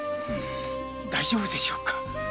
大丈夫でしょうか？